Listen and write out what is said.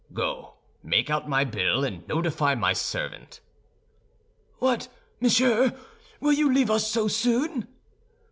Go; make out my bill and notify my servant." "What, monsieur, will you leave us so soon?"